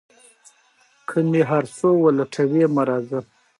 خپلې لرغونې سټې ته دې وګوري.